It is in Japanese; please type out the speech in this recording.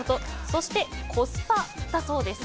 そして、コスパだそうです。